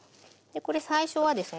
これ最初はですね